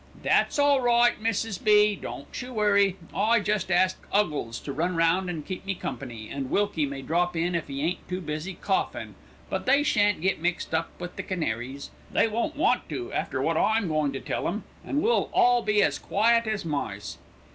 "That's all right, Mrs. B., don't you worry. I jest asked 'Uggles to run round an' keep me company, and Wilkie may drop in if 'e ain't too busy coughin'; but they shan't get mixed up with the canaries they won't want to after wot I'm goin' to tell 'em, an' we'll all be as quiet as mice."